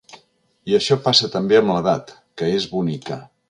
I això passa també amb l’edat, que és bonica.